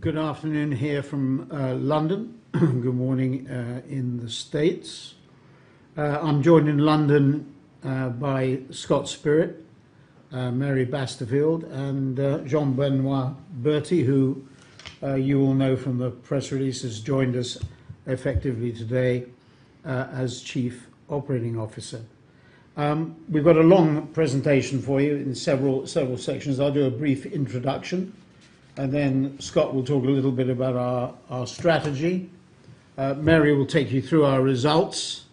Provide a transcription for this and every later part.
Good afternoon here from London. Good morning in the States. I'm joined in London by Scott Spirit, Mary Basterfield, and Jean-Benoit Berty, who you all know from the press release, has joined us effectively today as Chief Operating Officer. We've got a long presentation for you in several sections. I'll do a brief introduction, and then Scott will talk a little bit about our strategy. Mary will take you through our results.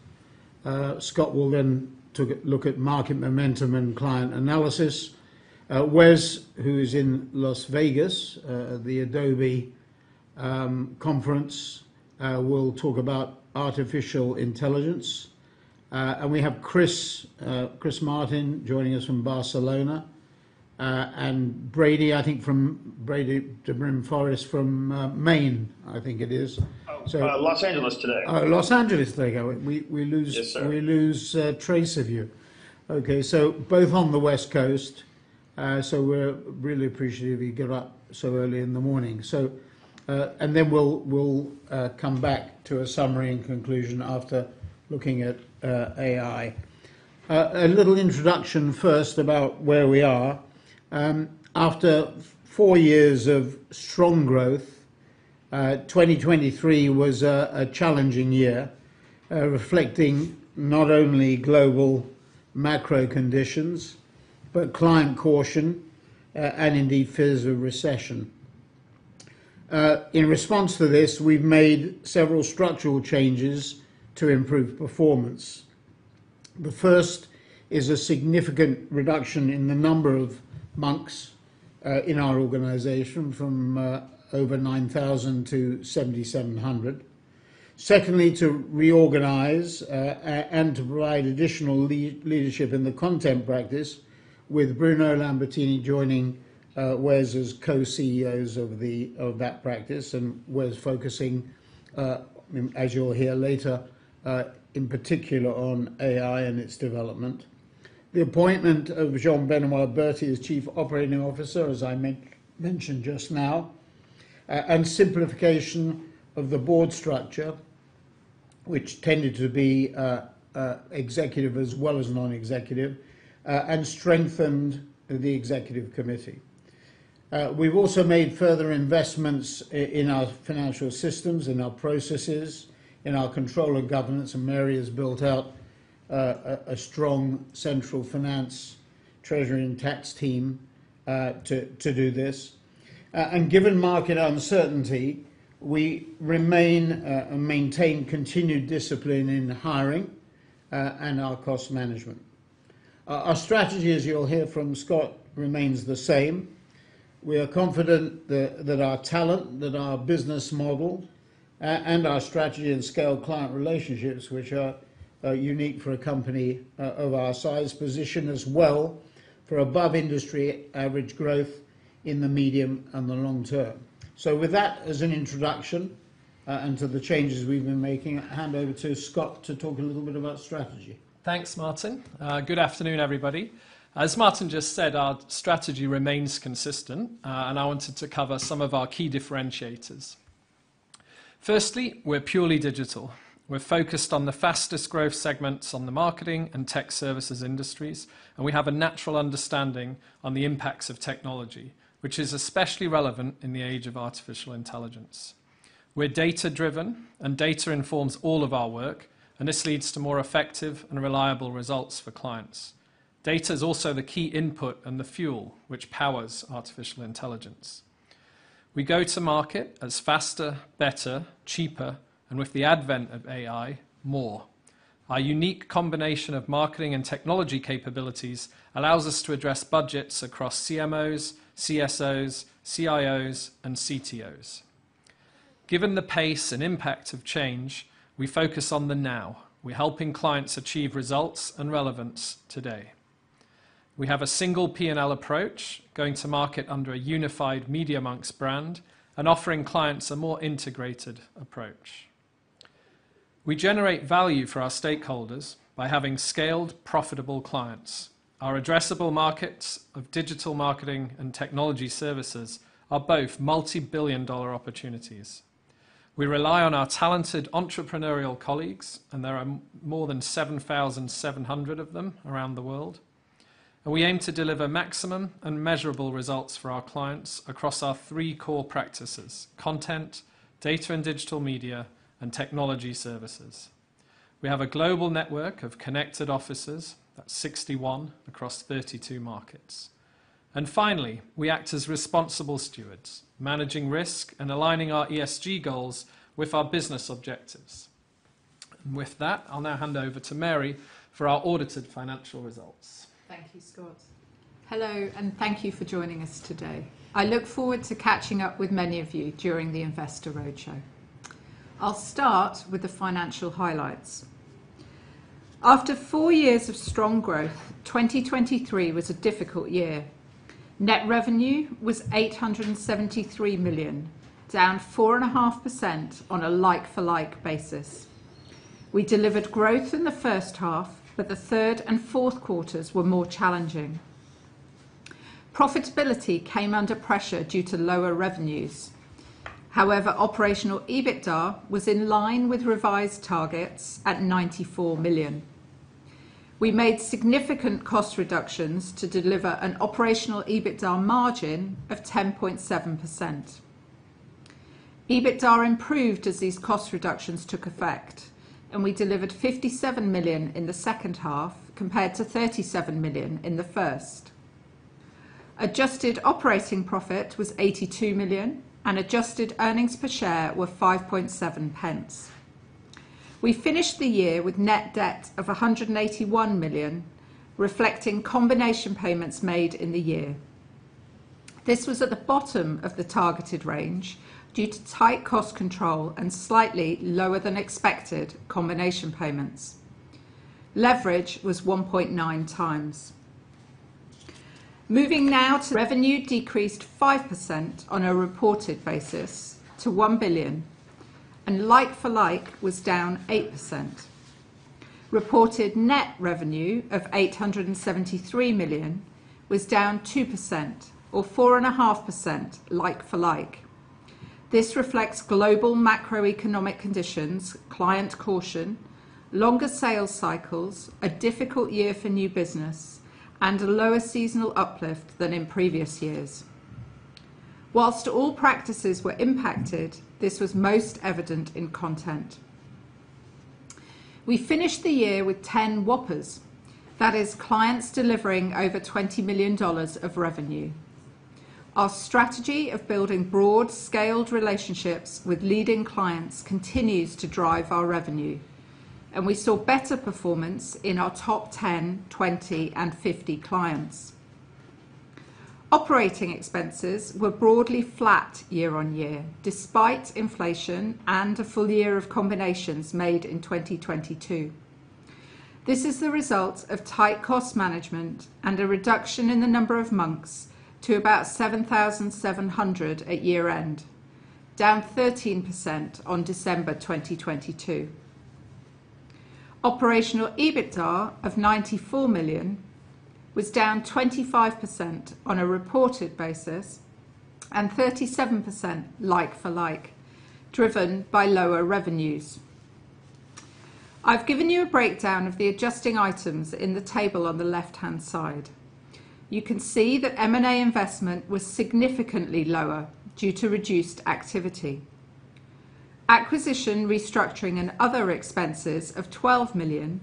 Scott will then take a look at market momentum and client analysis. Wes, who is in Las Vegas at the Adobe conference, will talk about artificial intelligence. And we have Chris Martin joining us from Barcelona, and Brady, I think from Brady Brim-DeForest from Maine, I think it is. So- Oh, Los Angeles today. Oh, Los Angeles there you are. We lose. Yes, sir. We lose trace of you. Okay, so both on the West Coast. So we're really appreciative you get up so early in the morning. So, and then we'll come back to a summary and conclusion after looking at AI. A little introduction first about where we are. After four years of strong growth, 2023 was a challenging year, reflecting not only global macro conditions, but client caution, and indeed fears of recession. In response to this, we've made several structural changes to improve performance. The first is a significant reduction in the number of Monks in our organization from over 9,000 to 7,700. Secondly, to reorganize and to provide additional leadership in the content practice with Bruno Lambertini joining Wes as co-CEOs of that practice, and Wes focusing, as you'll hear later, in particular on AI and its development. The appointment of Jean-Benoit Berty as Chief Operating Officer, as I mentioned just now, and simplification of the board structure, which tended to be executive as well as non-executive, and strengthened the executive committee. We've also made further investments in our financial systems, in our processes, in our control and governance, and Mary has built out a strong central finance treasury and tax team to do this. And given market uncertainty, we remain and maintain continued discipline in hiring and our cost management. Our strategy, as you'll hear from Scott, remains the same. We are confident that our talent, that our business model, and our strategy and scale client relationships, which are unique for a company of our size, position us well for above industry average growth in the medium and the long term. So with that as an introduction, and to the changes we've been making, I hand over to Scott to talk a little bit about strategy. Thanks, Martin. Good afternoon, everybody. As Martin just said, our strategy remains consistent, and I wanted to cover some of our key differentiators. Firstly, we're purely digital. We're focused on the fastest growth segments on the marketing and tech services industries, and we have a natural understanding on the impacts of technology, which is especially relevant in the age of artificial intelligence. We're data-driven, and data informs all of our work, and this leads to more effective and reliable results for clients. Data is also the key input and the fuel which powers artificial intelligence. We go to market as faster, better, cheaper, and with the advent of AI, more. Our unique combination of marketing and technology capabilities allows us to address budgets across CMOs, CSOs, CIOs, and CTOs. Given the pace and impact of change, we focus on the now. We're helping clients achieve results and relevance today. We have a single P&L approach, going to market under a unified Media.Monks brand and offering clients a more integrated approach. We generate value for our stakeholders by having scaled, profitable clients. Our addressable markets of digital marketing and technology services are both multi-billion-dollar opportunities. We rely on our talented entrepreneurial colleagues, and there are more than 7,700 of them around the world. And we aim to deliver maximum and measurable results for our clients across our three core practices: content, data and digital media, and technology services. We have a global network of connected offices, that's 61 across 32 markets. And finally, we act as responsible stewards, managing risk and aligning our ESG goals with our business objectives. And with that, I'll now hand over to Mary for our audited financial results. Thank you, Scott. Hello, and thank you for joining us today. I look forward to catching up with many of you during the Investor Roadshow. I'll start with the financial highlights. After four years of strong growth, 2023 was a difficult year. Net revenue was 873 million, down 4.5% on a Like-for-Like basis.... We delivered growth in the first half, but the third and fourth quarters were more challenging. Profitability came under pressure due to lower revenues. However, operational EBITDA was in line with revised targets at 94 million. We made significant cost reductions to deliver an operational EBITDA margin of 10.7%. EBITDA improved as these cost reductions took effect, and we delivered 57 million in the second half compared to 37 million in the first. Adjusted operating profit was 82 million, and adjusted earnings per share were 5.7 pence. We finished the year with net debt of 181 million, reflecting combination payments made in the year. This was at the bottom of the targeted range due to tight cost control and slightly lower than expected combination payments. Leverage was 1.9x. Moving now to revenue, decreased 5% on a reported basis to 1 billion and like-for-like was down 8%. Reported net revenue of 873 million was down 2% or 4.5% like-for-like. This reflects global macroeconomic conditions, client caution, longer sales cycles, a difficult year for new business, and a lower seasonal uplift than in previous years. While all practices were impacted, this was most evident in content. We finished the year with 10 Whoppers. That is, clients delivering over $20 million of revenue. Our strategy of building broad-scaled relationships with leading clients continues to drive our revenue, and we saw better performance in our top 10, 20, and 50 clients. Operating expenses were broadly flat year-on-year, despite inflation and a full year of combinations made in 2022. This is the result of tight cost management and a reduction in the number of monks to about 7,700 at year-end, down 13% on December 2022. Operational EBITDA of 94 million was down 25% on a reported basis and 37% like-for-like, driven by lower revenues. I've given you a breakdown of the adjusting items in the table on the left-hand side. You can see that M&A investment was significantly lower due to reduced activity. Acquisition, restructuring, and other expenses of 12 million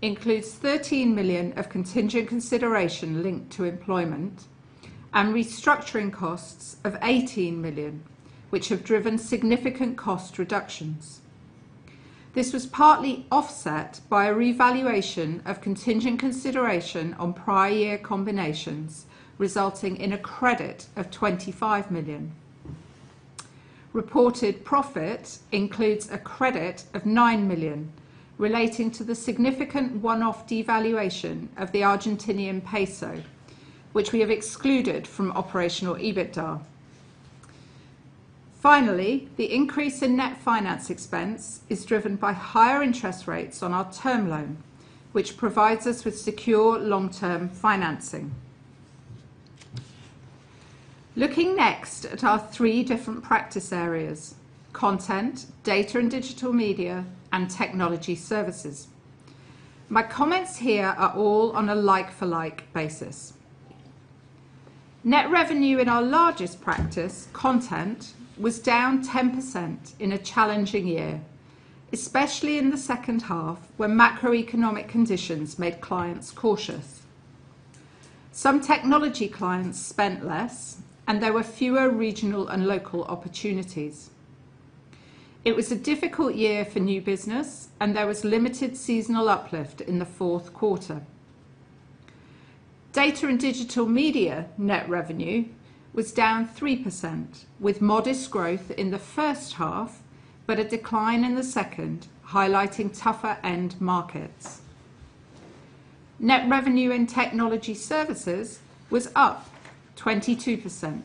includes 13 million of contingent consideration linked to employment and restructuring costs of 18 million, which have driven significant cost reductions. This was partly offset by a revaluation of contingent consideration on prior year combinations, resulting in a credit of 25 million. Reported profit includes a credit of 9 million relating to the significant one-off devaluation of the Argentinian peso, which we have excluded from operational EBITDA. Finally, the increase in net finance expense is driven by higher interest rates on our term loan, which provides us with secure long-term financing. Looking next at our three different practice areas: content, data and digital media, and technology services. My comments here are all on a like-for-like basis. Net revenue in our largest practice, content, was down 10% in a challenging year, especially in the second half, when macroeconomic conditions made clients cautious. Some technology clients spent less, and there were fewer regional and local opportunities. It was a difficult year for new business, and there was limited seasonal uplift in the fourth quarter. Data and Digital Media net revenue was down 3%, with modest growth in the first half, but a decline in the second, highlighting tougher end markets. Net revenue in Technology Services was up 22%,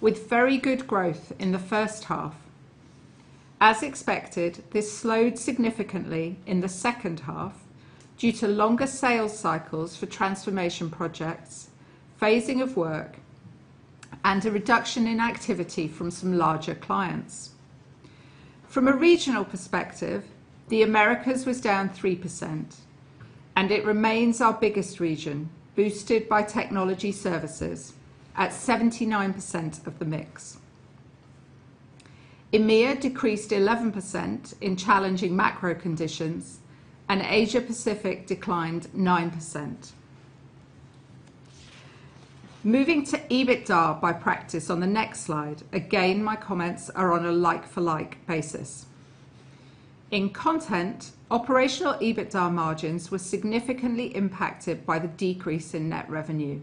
with very good growth in the first half. As expected, this slowed significantly in the second half due to longer sales cycles for transformation projects, phasing of work, and a reduction in activity from some larger clients. From a regional perspective, the Americas was down 3% and it remains our biggest region, boosted by Technology Services at 79% of the mix. EMEA decreased 11% in challenging macro conditions and Asia Pacific declined 9%. Moving to EBITDA by practice on the next slide. Again, my comments are on a like-for-like basis. In content, operational EBITDA margins were significantly impacted by the decrease in net revenue,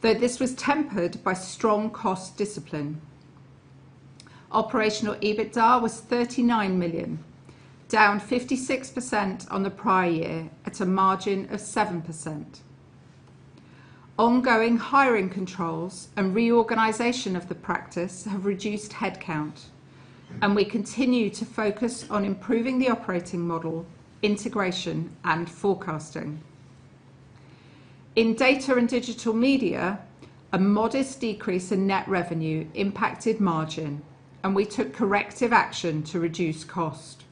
though this was tempered by strong cost discipline. Operational EBITDA was 39 million, down 56% on the prior year at a margin of 7%. Ongoing hiring controls and reorganization of the practice have reduced headcount, and we continue to focus on improving the operating model, integration, and forecasting. In data and digital media, a modest decrease in net revenue impacted margin, and we took corrective action to reduce cost.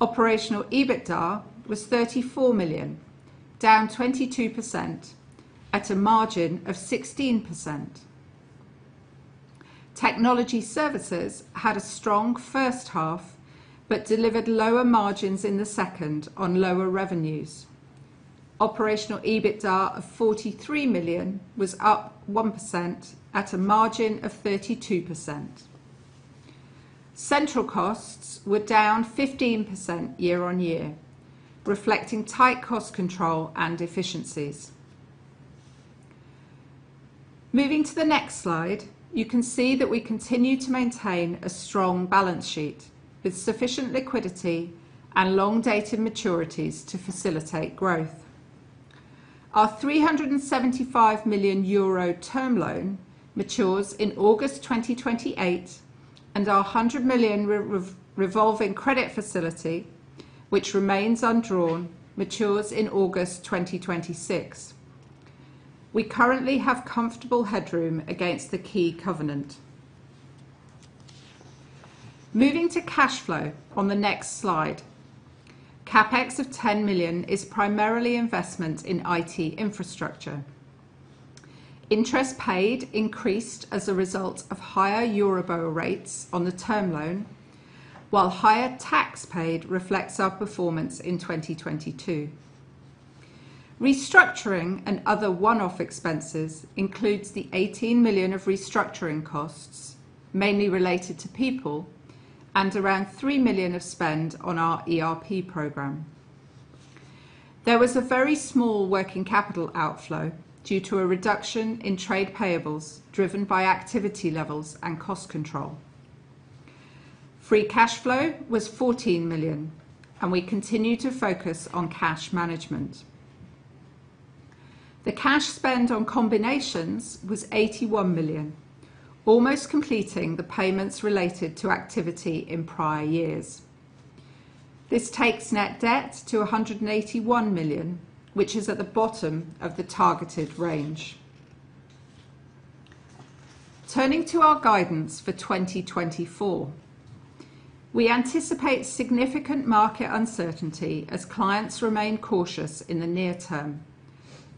Operational EBITDA was 34 million, down 22% at a margin of 16%. Technology services had a strong first half, but delivered lower margins in the second on lower revenues. Operational EBITDA of 43 million was up 1% at a margin of 32%. Central costs were down 15% year-on-year, reflecting tight cost control and efficiencies. Moving to the next slide, you can see that we continue to maintain a strong balance sheet with sufficient liquidity and long-dated maturities to facilitate growth. Our 375 million euro term loan matures in August 2028, and our 100 million revolving credit facility, which remains undrawn, matures in August 2026. We currently have comfortable headroom against the key covenant. Moving to cash flow on the next slide. CapEx of 10 million is primarily investment in IT infrastructure. Interest paid increased as a result of higher Euribor rates on the term loan, while higher tax paid reflects our performance in 2022. Restructuring and other one-off expenses includes the 18 million of restructuring costs, mainly related to people, and around 3 million of spend on our ERP program. There was a very small working capital outflow due to a reduction in trade payables, driven by activity levels and cost control. Free cash flow was 14 million, and we continue to focus on cash management. The cash spend on combinations was 81 million, almost completing the payments related to activity in prior years. This takes net debt to 181 million, which is at the bottom of the targeted range. Turning to our guidance for 2024, we anticipate significant market uncertainty as clients remain cautious in the near term,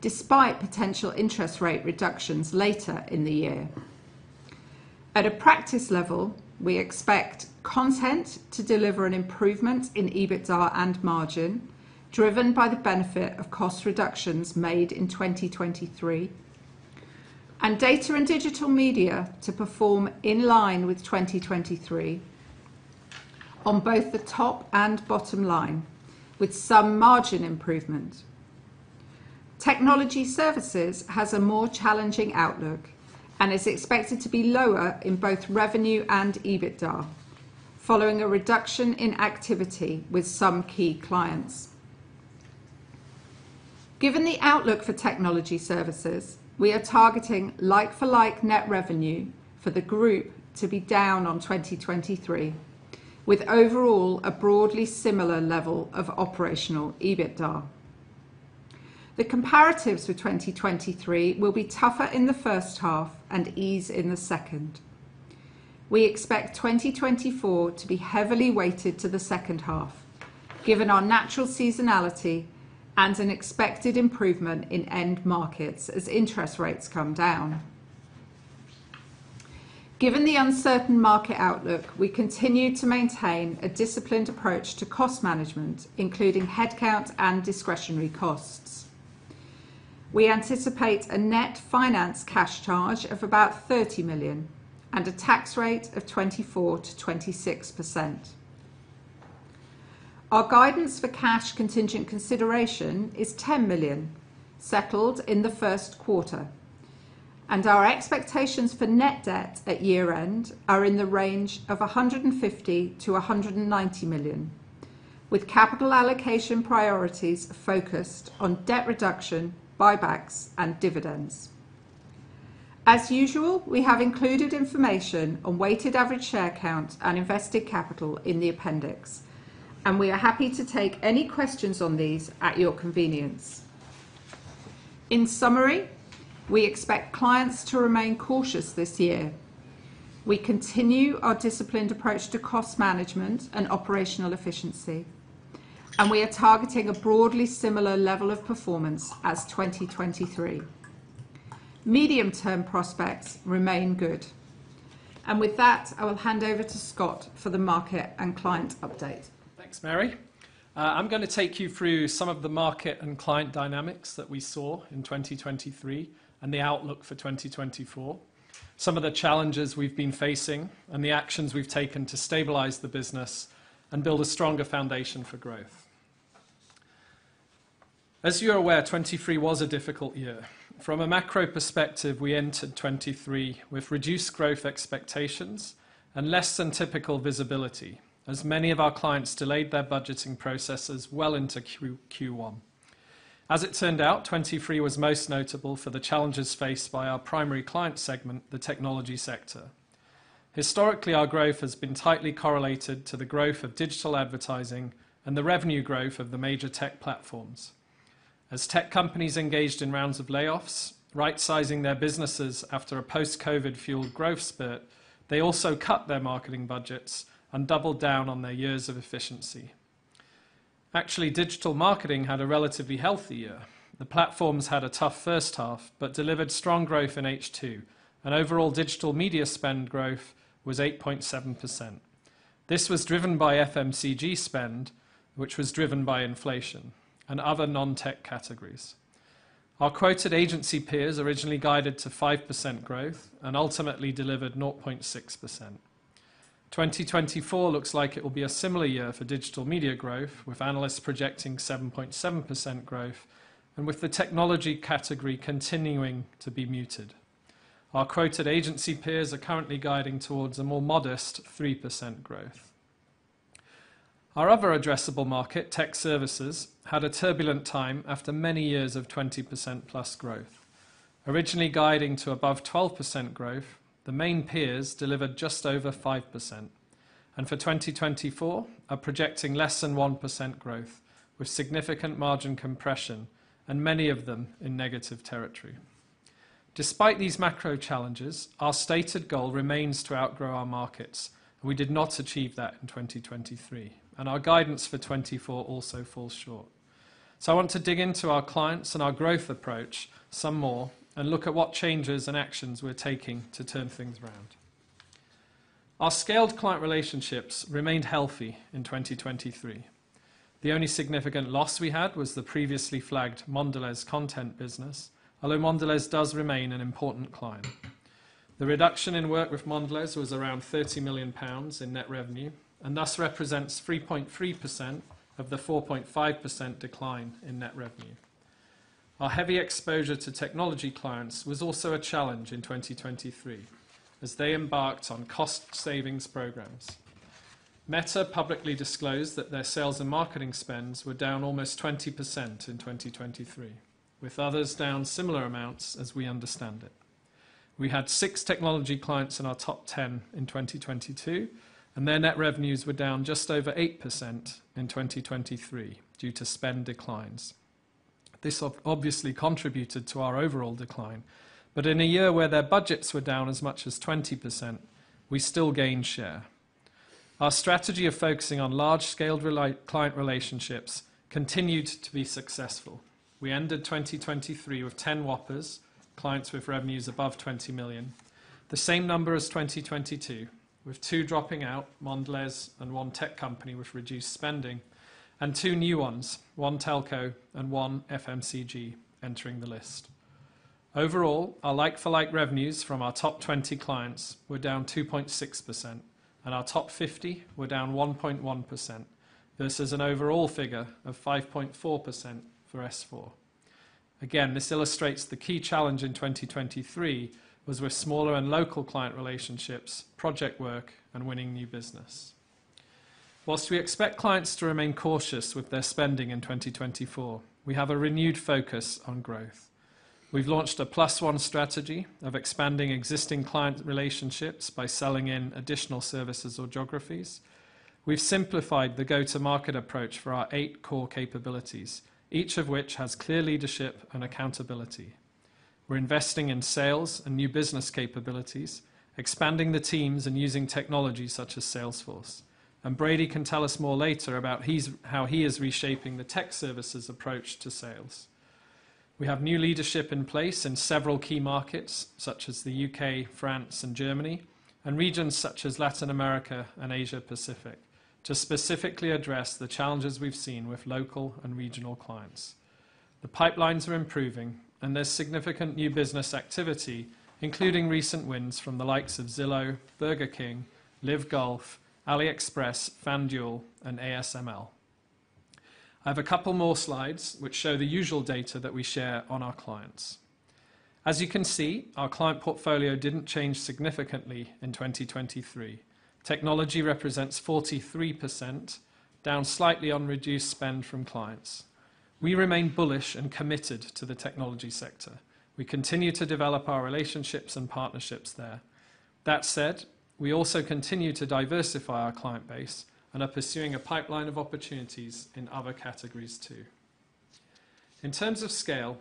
despite potential interest rate reductions later in the year. At a practice level, we expect content to deliver an improvement in EBITDA and margin, driven by the benefit of cost reductions made in 2023, and data and digital media to perform in line with 2023 on both the top and bottom line, with some margin improvement. Technology Services has a more challenging outlook and is expected to be lower in both revenue and EBITDA, following a reduction in activity with some key clients. Given the outlook for Technology Services, we are targeting like-for-like net revenue for the group to be down on 2023, with overall a broadly similar level of operational EBITDA. The comparatives for 2023 will be tougher in the first half and ease in the second. We expect 2024 to be heavily weighted to the second half, given our natural seasonality and an expected improvement in end markets as interest rates come down. Given the uncertain market outlook, we continue to maintain a disciplined approach to cost management, including headcount and discretionary costs. We anticipate a net finance cash charge of about 30 million and a tax rate of 24%-26%. Our guidance for cash contingent consideration is 10 million, settled in the first quarter, and our expectations for net debt at year-end are in the range of 150 million-190 million, with capital allocation priorities focused on debt reduction, buybacks, and dividends. As usual, we have included information on weighted average share count and invested capital in the appendix, and we are happy to take any questions on these at your convenience. In summary, we expect clients to remain cautious this year. We continue our disciplined approach to cost management and operational efficiency, and we are targeting a broadly similar level of performance as 2023. Medium-term prospects remain good. With that, I will hand over to Scott for the market and client update. Thanks, Mary. I'm going to take you through some of the market and client dynamics that we saw in 2023 and the outlook for 2024, some of the challenges we've been facing, and the actions we've taken to stabilize the business and build a stronger foundation for growth. As you are aware, 2023 was a difficult year. From a macro perspective, we entered 2023 with reduced growth expectations and less than typical visibility, as many of our clients delayed their budgeting processes well into Q1. As it turned out, 2023 was most notable for the challenges faced by our primary client segment, the technology sector. Historically, our growth has been tightly correlated to the growth of digital advertising and the revenue growth of the major tech platforms. As tech companies engaged in rounds of layoffs, right-sizing their businesses after a post-COVID-fueled growth spurt, they also cut their marketing budgets and doubled down on their years of efficiency. Actually, digital marketing had a relatively healthy year. The platforms had a tough first half, but delivered strong growth in H2, and overall digital media spend growth was 8.7%. This was driven by FMCG spend, which was driven by inflation and other non-tech categories. Our quoted agency peers originally guided to 5% growth and ultimately delivered 0.6%. 2024 looks like it will be a similar year for digital media growth, with analysts projecting 7.7% growth, and with the technology category continuing to be muted. Our quoted agency peers are currently guiding towards a more modest 3% growth. Our other addressable market, Technology Services, had a turbulent time after many years of 20%+ growth. Originally guiding to above 12% growth, the main peers delivered just over 5%, and for 2024, are projecting less than 1% growth, with significant margin compression and many of them in negative territory. Despite these macro challenges, our stated goal remains to outgrow our markets, and we did not achieve that in 2023, and our guidance for 2024 also falls short. So I want to dig into our clients and our growth approach some more and look at what changes and actions we're taking to turn things around. Our scaled client relationships remained healthy in 2023. The only significant loss we had was the previously flagged Mondelez content business, although Mondelez does remain an important client. The reduction in work with Mondelez was around 30 million pounds in net revenue, and thus represents 3.3% of the 4.5% decline in net revenue. Our heavy exposure to technology clients was also a challenge in 2023, as they embarked on cost savings programs. Meta publicly disclosed that their sales and marketing spends were down almost 20% in 2023, with others down similar amounts as we understand it. We had six technology clients in our top 10 in 2022, and their net revenues were down just over 8% in 2023 due to spend declines. This obviously contributed to our overall decline, but in a year where their budgets were down as much as 20%, we still gained share. Our strategy of focusing on large-scaled client relationships continued to be successful. We ended 2023 with 10 whoppers, clients with revenues above $20 million. The same number as 2022, with two dropping out, Mondelez and one tech company, which reduced spending, and two new ones, one telco and one FMCG, entering the list. Overall, our like-for-like revenues from our top 20 clients were down 2.6%, and our top 50 were down 1.1%. This is an overall figure of 5.4% for S4. Again, this illustrates the key challenge in 2023 was with smaller and local client relationships, project work, and winning new business. While we expect clients to remain cautious with their spending in 2024, we have a renewed focus on growth. We've launched a plus one strategy of expanding existing client relationships by selling in additional services or geographies. We've simplified the go-to-market approach for our eight core capabilities, each of which has clear leadership and accountability. We're investing in sales and new business capabilities, expanding the teams, and using technologies such as Salesforce, and Brady can tell us more later about how he is reshaping the tech services approach to sales. We have new leadership in place in several key markets, such as the U.K., France, and Germany, and regions such as Latin America and Asia Pacific, to specifically address the challenges we've seen with local and regional clients. The pipelines are improving, and there's significant new business activity, including recent wins from the likes of Zillow, Burger King, LIV Golf, AliExpress, FanDuel, and ASML. I have a couple more slides which show the usual data that we share on our clients. As you can see, our client portfolio didn't change significantly in 2023. Technology represents 43%, down slightly on reduced spend from clients. We remain bullish and committed to the technology sector. We continue to develop our relationships and partnerships there. That said, we also continue to diversify our client base and are pursuing a pipeline of opportunities in other categories too. In terms of scale,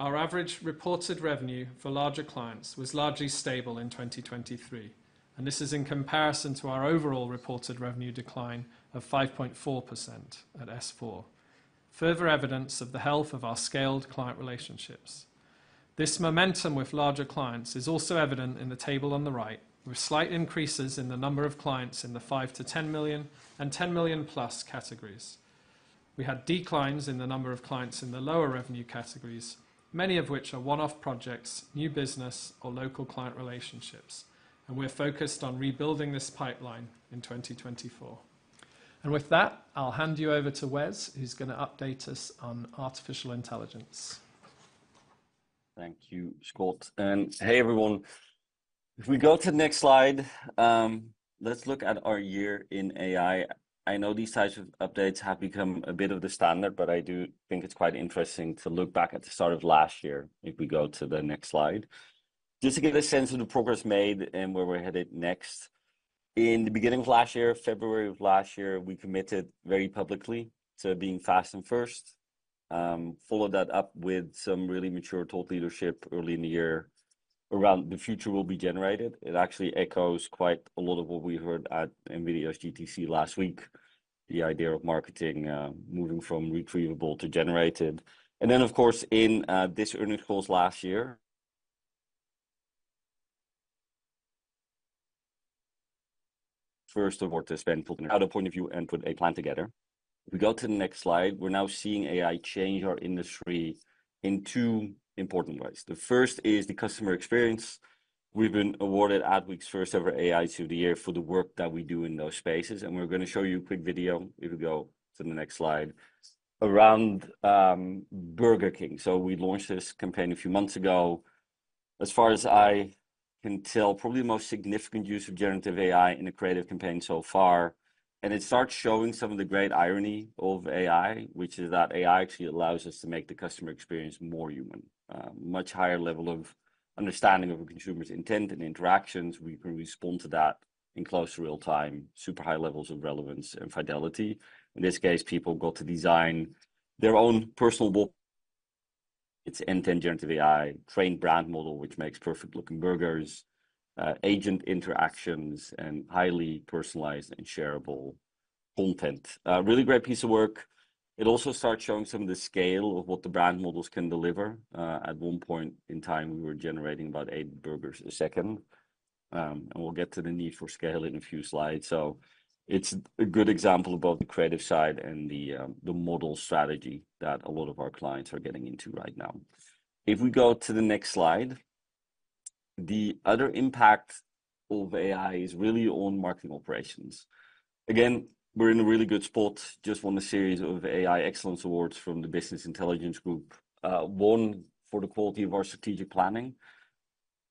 our average reported revenue for larger clients was largely stable in 2023, and this is in comparison to our overall reported revenue decline of 5.4% at S4, further evidence of the health of our scaled client relationships. This momentum with larger clients is also evident in the table on the right, with slight increases in the number of clients in the 5-10 million and GBP 10 million+ categories. We had declines in the number of clients in the lower revenue categories, many of which are one-off projects, new business, or local client relationships, and we're focused on rebuilding this pipeline in 2024. With that, I'll hand you over to Wes, who's gonna update us on artificial intelligence. Thank you, Scott. Hey, everyone. If we go to the next slide. Let's look at our year in AI. I know these types of updates have become a bit of the standard, but I do think it's quite interesting to look back at the start of last year. If we go to the next slide, just to get a sense of the progress made and where we're headed next. In the beginning of last year, February of last year, we committed very publicly to being fast and first. Followed that up with some really mature thought leadership early in the year around, "The future will be generated." It actually echoes quite a lot of what we heard at NVIDIA's GTC last week, the idea of marketing moving from retrievable to generated. And then, of course, in this earnings call last year, we first had to spend, put in another point of view, and put a plan together. If we go to the next slide, we're now seeing AI change our industry in two important ways. The first is the customer experience. We've been awarded Adweek's first-ever AI Tool of the Year for the work that we do in those spaces, and we're gonna show you a quick video, if we go to the next slide, around Burger King. So we launched this campaign a few months ago. As far as I can tell, probably the most significant use of generative AI in a creative campaign so far, and it starts showing some of the great irony of AI, which is that AI actually allows us to make the customer experience more human. Much higher level of understanding of a consumer's intent and interactions. We can respond to that in close to real time, super high levels of relevance and fidelity. In this case, people got to design their own personal book. It's end-to-end generative AI trained brand model, which makes perfect-looking burgers, agent interactions, and highly personalized and shareable content. Really great piece of work. It also starts showing some of the scale of what the brand models can deliver. At one point in time, we were generating about eight burgers a second, and we'll get to the need for scale in a few slides. So it's a good example of both the creative side and the model strategy that a lot of our clients are getting into right now. If we go to the next slide, the other impact of AI is really on marketing operations. Again, we're in a really good spot, just won a series of AI Excellence Awards from the Business Intelligence Group, one for the quality of our strategic planning.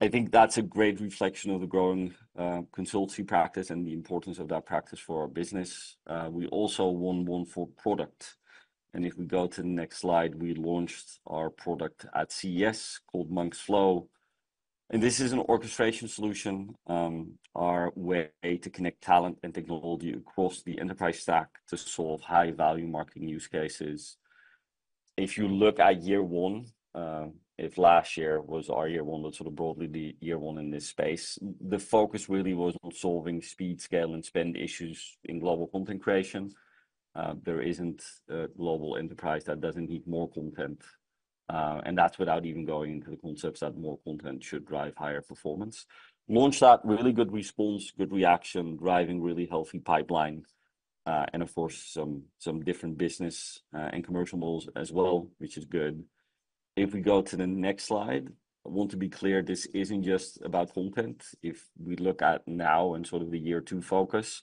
I think that's a great reflection of the growing, consultancy practice and the importance of that practice for our business. We also won one for product, and if we go to the next slide, we launched our product at CES called Monks.Flow. And this is an orchestration solution, our way to connect talent and technology across the enterprise stack to solve high-value marketing use cases. If you look at year one, if last year was our year one, that's sort of broadly the year one in this space, the focus really was on solving speed, scale, and spend issues in global content creation. There isn't a global enterprise that doesn't need more content, and that's without even going into the concepts that more content should drive higher performance. Launched that, really good response, good reaction, driving really healthy pipeline, and of course, some different business and commercial models as well, which is good. If we go to the next slide, I want to be clear, this isn't just about content. If we look at now and sort of the year two focus,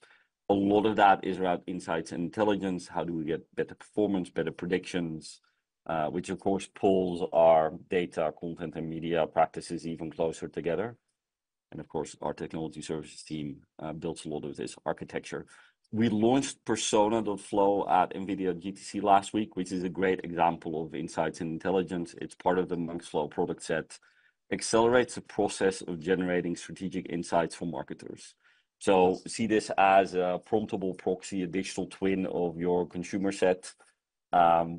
a lot of that is around insights and intelligence. How do we get better performance, better predictions? Which of course, pulls our data, content, and media practices even closer together, and of course, our technology services team builds a lot of this architecture. We launched Persona.Flow at NVIDIA GTC last week, which is a great example of insights and intelligence. It's part of the Monks.Flow product set, accelerates the process of generating strategic insights for marketers. So see this as a promptable proxy, a digital twin of your consumer set.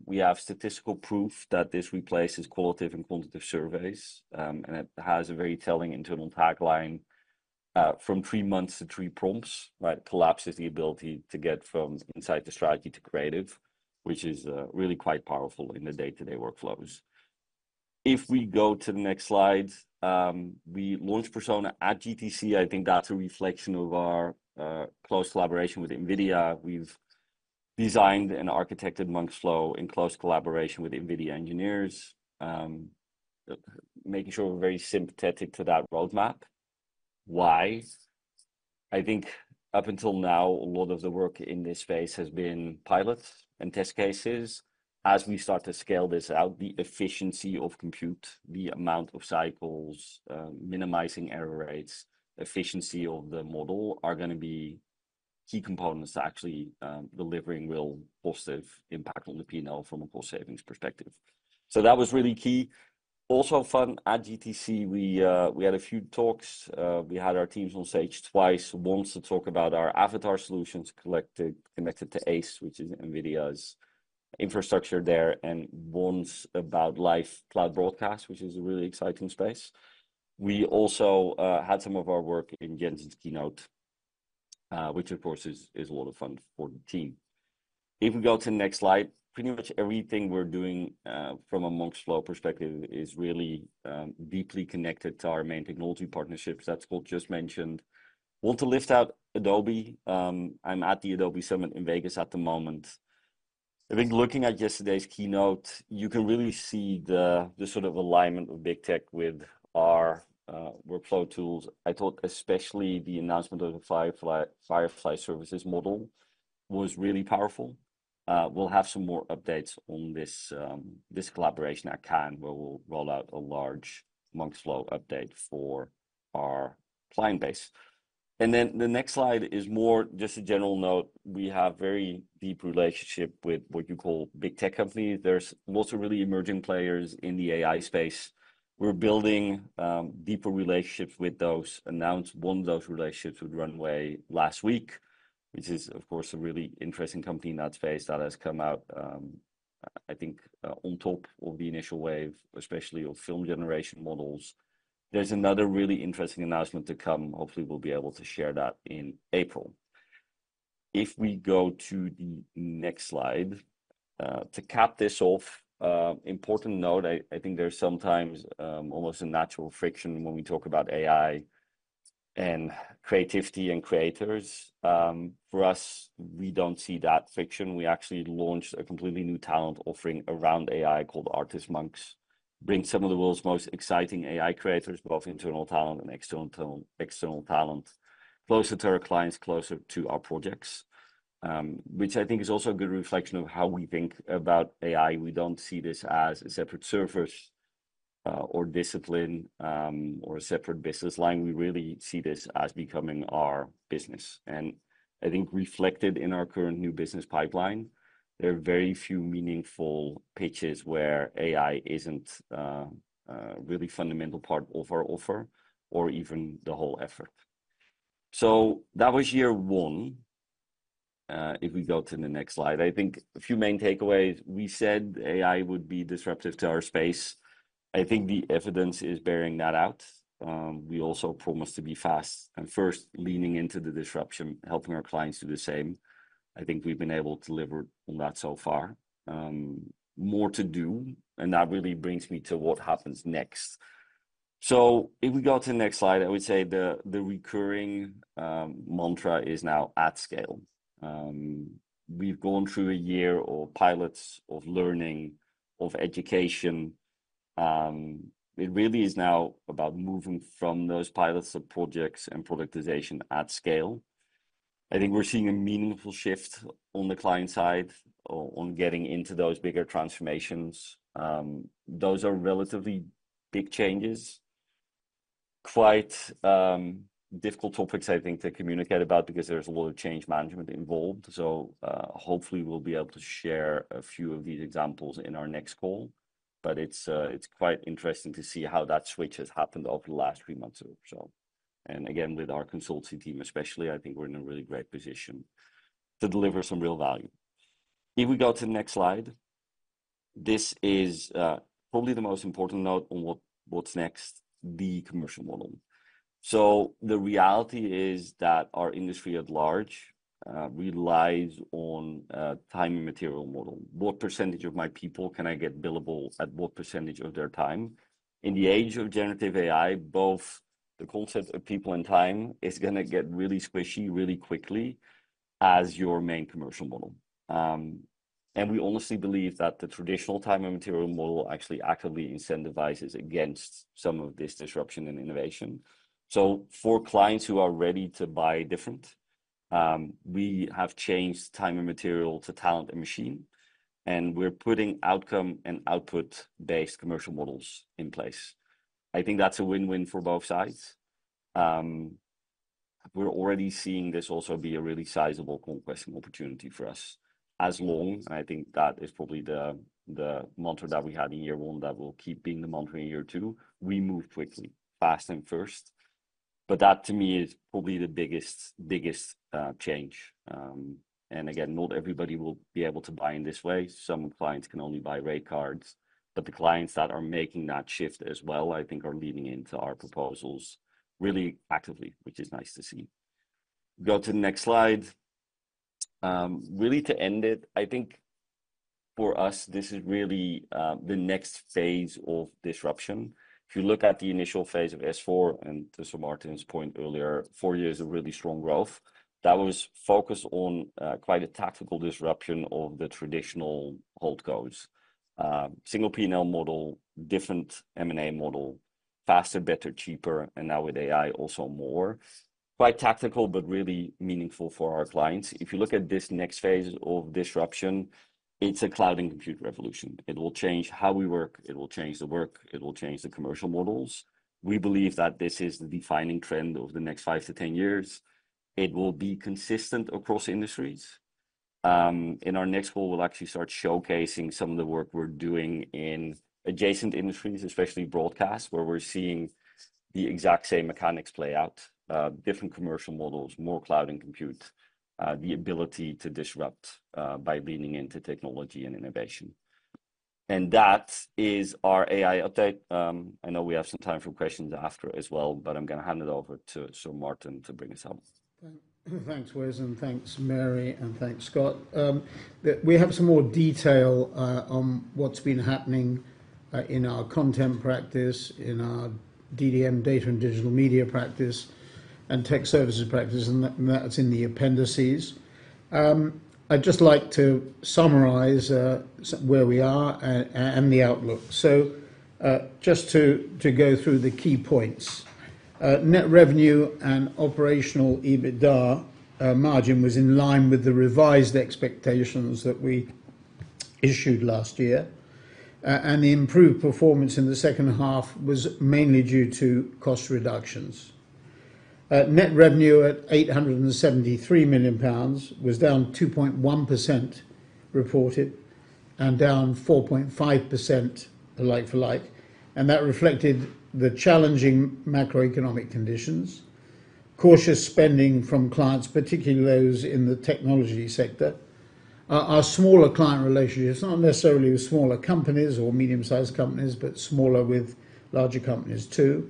We have statistical proof that this replaces qualitative and quantitative surveys, and it has a very telling internal tagline, "From three months to three prompts," right? Collapses the ability to get from insight to strategy to creative, which is really quite powerful in the day-to-day workflows. If we go to the next slide, we launched Persona at GTC. I think that's a reflection of our close collaboration with NVIDIA. We've designed and architected Monks Flow in close collaboration with NVIDIA engineers, making sure we're very sympathetic to that roadmap. Why? I think up until now, a lot of the work in this space has been pilots and test cases. As we start to scale this out, the efficiency of compute, the amount of cycles, minimizing error rates, efficiency of the model, are gonna be key components to actually delivering real positive impact on the P&L from a cost savings perspective. So that was really key. Also fun, at GTC, we we had a few talks. We had our teams on stage twice, once to talk about our avatar solutions connected to ACE, which is NVIDIA's infrastructure there, and once about Live Cloud Broadcast, which is a really exciting space. We also had some of our work in Jensen's keynote, which of course is a lot of fun for the team. If we go to the next slide, pretty much everything we're doing from a Monks Flow perspective is really deeply connected to our main technology partnerships that Scott just mentioned. Want to lift out Adobe. I'm at the Adobe Summit in Vegas at the moment. I think looking at yesterday's keynote, you can really see the sort of alignment of big tech with our workflow tools. I thought especially the announcement of the Firefly Services model was really powerful. We'll have some more updates on this collaboration at Cannes, where we'll roll out a large Monks Flow update for our client base. And then the next slide is more just a general note. We have very deep relationship with what you call big tech companies. There's lots of really emerging players in the AI space. We're building deeper relationships with those. Announced one of those relationships with Runway last week, which is, of course, a really interesting company in that space that has come out, I think, on top of the initial wave, especially of film generation models. There's another really interesting announcement to come. Hopefully, we'll be able to share that in April. If we go to the next slide. To cap this off, important note, I think there's sometimes almost a natural friction when we talk about AI and creativity and creators. For us, we don't see that friction. We actually launched a completely new talent offering around AI called Artist Monks. Bring some of the world's most exciting AI creators, both internal talent and external talent, external talent, closer to our clients, closer to our projects. Which I think is also a good reflection of how we think about AI. We don't see this as a separate service, or discipline, or a separate business line. We really see this as becoming our business, and I think reflected in our current new business pipeline, there are very few meaningful pitches where AI isn't a really fundamental part of our offer or even the whole effort. So that was year one. If we go to the next slide, I think a few main takeaways. We said AI would be disruptive to our space. I think the evidence is bearing that out. We also promised to be fast and first leaning into the disruption, helping our clients do the same. I think we've been able to deliver on that so far. More to do, and that really brings me to what happens next. So if we go to the next slide, I would say the recurring mantra is now at scale. We've gone through a year of pilots, of learning, of education. It really is now about moving from those pilots of projects and productization at scale. I think we're seeing a meaningful shift on the client side on getting into those bigger transformations. Those are relatively big changes. Quite difficult topics, I think, to communicate about because there's a lot of change management involved. So, hopefully, we'll be able to share a few of these examples in our next call. But it's, it's quite interesting to see how that switch has happened over the last three months or so. And again, with our consultancy team especially, I think we're in a really great position to deliver some real value. If we go to the next slide, this is, probably the most important note on what, what's next: the commercial model. So the reality is that our industry at large, relies on, time and material model. What percentage of my people can I get billable at what percentage of their time? In the age of generative AI, both the concept of people and time is gonna get really squishy really quickly as your main commercial model. And we honestly believe that the traditional time and material model actually actively incentivizes against some of this disruption and innovation. So for clients who are ready to buy different, we have changed time and material to talent and machine, and we're putting outcome and output-based commercial models in place. I think that's a win-win for both sides. We're already seeing this also be a really sizable conquest and opportunity for us. And I think that is probably the mantra that we had in year one, that will keep being the mantra in year two, we move quickly, fast and first, but that to me is probably the biggest change. And again, not everybody will be able to buy in this way. Some clients can only buy rate cards, but the clients that are making that shift as well, I think, are leaning into our proposals really actively, which is nice to see. Go to the next slide. Really to end it, I think for us, this is really, the next phase of disruption. If you look at the initial phase of S4, and to Sir Martin's point earlier, five years of really strong growth, that was focused on, quite a tactical disruption of the traditional Holdcos. Single P&L model, different M&A model, faster, better, cheaper, and now with AI, also more. Quite tactical, but really meaningful for our clients. If you look at this next phase of disruption, it's a cloud and compute revolution. It will change how we work. It will change the work. It will change the commercial models. We believe that this is the defining trend over the next five to 10 years. It will be consistent across industries. In our next call, we'll actually start showcasing some of the work we're doing in adjacent industries, especially broadcast, where we're seeing the exact same mechanics play out, different commercial models, more cloud and compute, the ability to disrupt, by leaning into technology and innovation. That is our AI update. I know we have some time for questions after as well, but I'm gonna hand it over to Sir Martin to bring us home. Thanks, Wes, and thanks, Mary, and thanks, Scott. We have some more detail on what's been happening in our content practice, in our DDM, Data and Digital Media practice, and tech services practice, and that's in the appendices. I'd just like to summarize where we are and the outlook. So, just to go through the key points. Net revenue and Operational EBITDA margin was in line with the revised expectations that we issued last year, and the improved performance in the second half was mainly due to cost reductions. Net revenue at 873 million pounds was down 2.1% reported, and down 4.5% like-for-like, and that reflected the challenging macroeconomic conditions, cautious spending from clients, particularly those in the technology sector. Our smaller client relationships, not necessarily with smaller companies or medium-sized companies, but smaller with larger companies, too,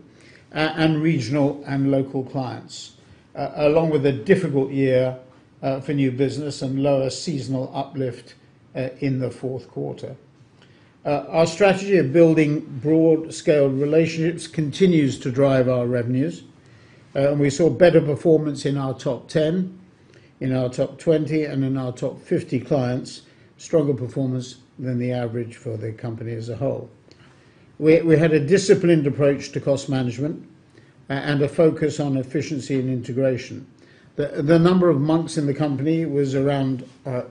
and regional and local clients, along with a difficult year, for new business and lower seasonal uplift, in the fourth quarter. Our strategy of building broad-scale relationships continues to drive our revenues, and we saw better performance in our top 10, in our top 20, and in our top 50 clients, stronger performance than the average for the company as a whole. We had a disciplined approach to cost management, and a focus on efficiency and integration. The number of months in the company was around,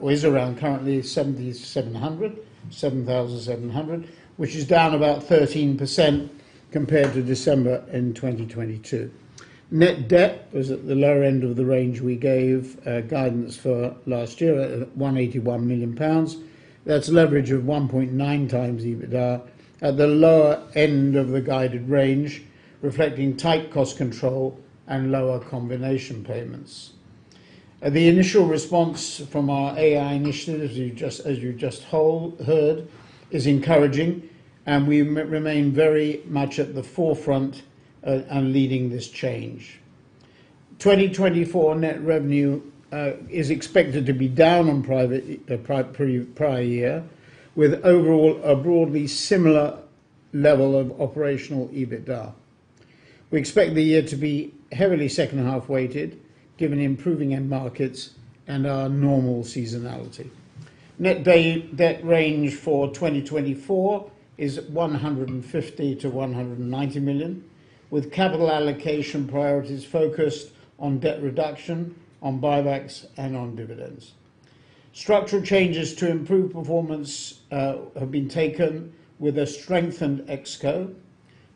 is around currently 7,700, 7,700, which is down about 13% compared to December 2022. Net debt was at the lower end of the range we gave guidance for last year at 181 million pounds. That's leverage of 1.9x EBITDA at the lower end of the guided range, reflecting tight cost control and lower combination payments. The initial response from our AI initiative, as you just heard, is encouraging, and we remain very much at the forefront on leading this change. 2024 net revenue is expected to be down on prior year, with overall a broadly similar level of operational EBITDA. We expect the year to be heavily second half weighted, given improving end markets and our normal seasonality. Net debt range for 2024 is 150 million-190 million, with capital allocation priorities focused on debt reduction, on buybacks, and on dividends. Structural changes to improve performance have been taken with a strengthened ExCo,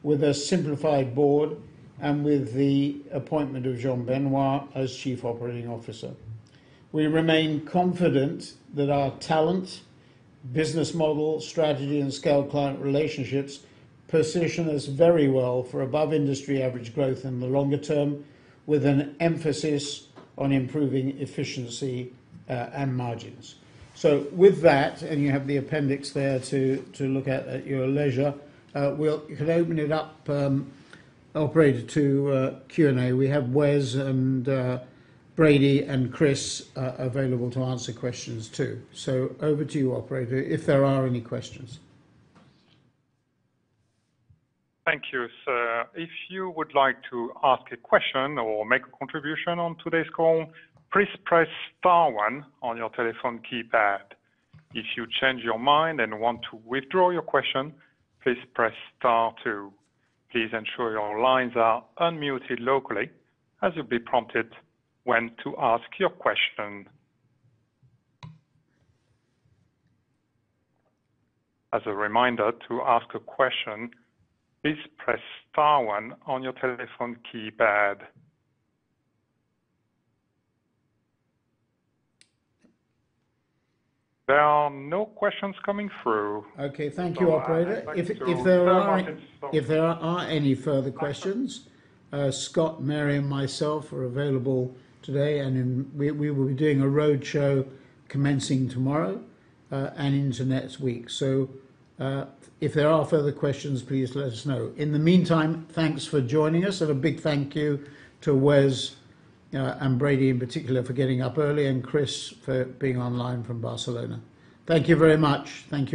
with a simplified board, and with the appointment of Jean-Benoit as Chief Operating Officer. We remain confident that our talent, business model, strategy, and scale client relationships position us very well for above industry average growth in the longer term, with an emphasis on improving efficiency and margins. So with that, and you have the appendix there to look at at your leisure, we'll. You can open it up, operator to Q&A. We have Wes and Brady and Chris are available to answer questions, too. So over to you, operator, if there are any questions. Thank you, sir. If you would like to ask a question or make a contribution on today's call, please press star one on your telephone keypad. If you change your mind and want to withdraw your question, please press star two. Please ensure your lines are unmuted locally, as you'll be prompted when to ask your question. As a reminder, to ask a question, please press star one on your telephone keypad. There are no questions coming through. Okay, thank you, operator. If you would like to.. If there are, if there are any further questions, Scott, Mary, and myself are available today, and then we, we will be doing a roadshow commencing tomorrow, and into next week. So, if there are further questions, please let us know. In the meantime, thanks for joining us, and a big thank you to Wes, and Brady in particular for getting up early, and Chris for being online from Barcelona. Thank you very much. Thank you.